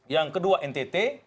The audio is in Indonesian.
yang kedua ntt